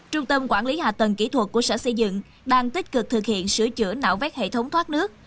trung tâm quản lý hạ tầng kỹ thuật của sở xây dựng đang tích cực thực hiện sửa chữa nạo vét hệ thống thoát nước